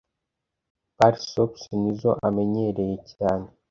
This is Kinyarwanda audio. bar soaps nizo amenyereye cyane